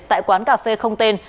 tại quán cà phê không tên